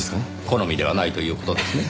好みではないという事ですね？